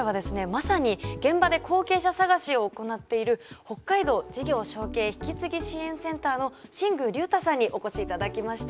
まさに現場で後継者探しを行っている北海道事業承継・引継ぎ支援センターの新宮隆太さんにお越し頂きました。